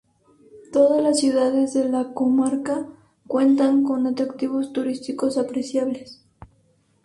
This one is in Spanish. Todas las ciudades de la comarca cuentan con atractivos turísticos apreciables.